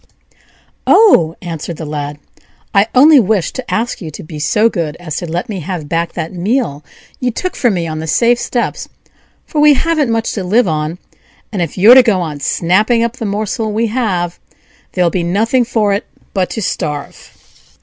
"Oh!" answered the Lad, "I only wished to ask you to be so good as to let me have back that meal you took from me on the safe steps, for we haven't much to live on; and if you're to go on snapping up the morsel we have, there'll be nothing for it but to starve."